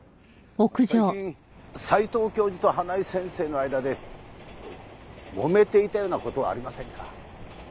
最近斎藤教授と花井先生の間でもめていたような事はありませんか？